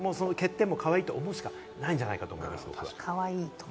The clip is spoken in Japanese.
相手の欠点もかわいいと思うしかないんじゃないかと思います。